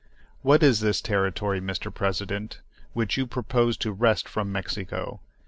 What is the territory, Mr. President, which you propose to wrest from Mexico?